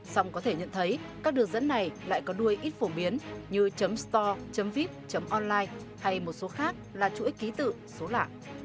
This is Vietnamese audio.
xong có thể nhận thấy các đường dẫn này lại có đuôi ít phổ biến như store vip online hay một số khác là chuỗi ký tự số lạ